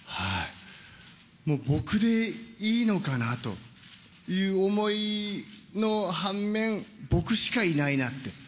もう僕でいいのかなという思いの反面、僕しかいないなって。